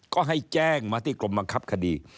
ก็ให้แจ้งมาที่กรมบังคับคดี